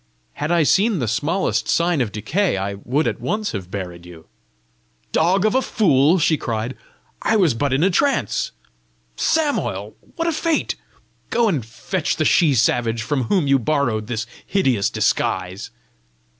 "Had I seen the smallest sign of decay, I would at once have buried you." "Dog of a fool!" she cried, "I was but in a trance Samoil! what a fate! Go and fetch the she savage from whom you borrowed this hideous disguise."